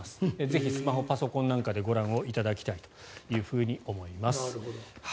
ぜひスマホ、パソコンなんかでご覧いただきたいと思います。